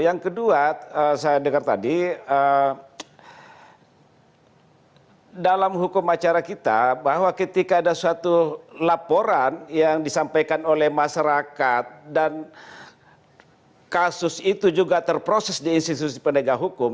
yang kedua saya dengar tadi dalam hukum acara kita bahwa ketika ada suatu laporan yang disampaikan oleh masyarakat dan kasus itu juga terproses di institusi penegak hukum